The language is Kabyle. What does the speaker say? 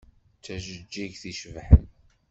D tajeǧǧigt icebḥen.